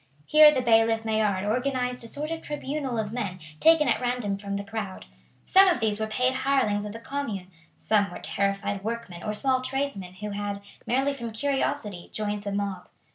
Here the bailiff Maillard organized a sort of tribunal of men taken at random from the crowd. Some of these were paid hirelings of the Commune, some were terrified workmen or small tradesmen who had, merely from curiosity, joined the mob.